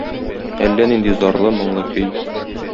Әллә нинди зарлы, моңлы көй.